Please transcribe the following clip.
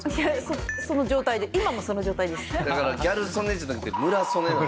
その状態で今もその状態です。